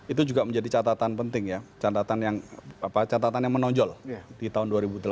itu juga menjadi catatan penting ya catatan yang menonjol di tahun dua ribu delapan belas